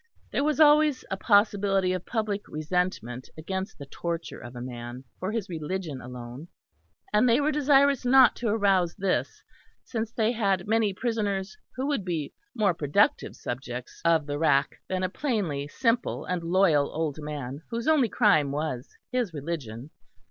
There was always a possibility of public resentment against the torture of a man for his religion alone; and they were desirous not to arouse this, since they had many prisoners who would be more productive subjects of the rack than a plainly simple and loyal old man whose only crime was his religion.